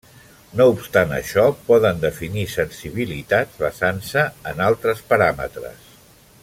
No obstant això poden definir sensibilitats basant-se en altres paràmetres.